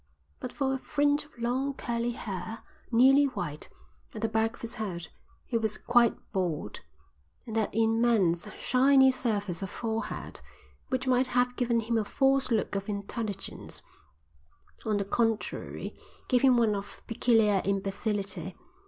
But for a fringe of long curly hair, nearly white, at the back of his head, he was quite bald; and that immense, shiny surface of forehead, which might have given him a false look of intelligence, on the contrary gave him one of peculiar imbecility.